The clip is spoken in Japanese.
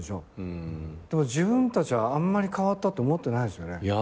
でも自分たちはあんまり変わったと思ってないですよね。